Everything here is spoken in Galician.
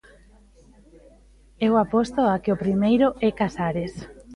Eu aposto a que o primeiro é Casares.